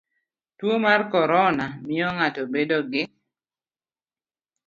Tuo mar corona miyo ng'ato bedo gi